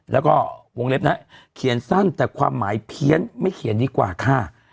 แล้วก็วงเล็บนะเขียนสั้นแต่ความหมายเพี้ยนไม่เขียนดีกว่าค่ะ